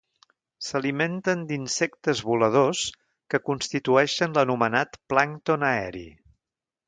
S'alimenten d'insectes voladors que constitueixen l'anomenat plàncton aeri.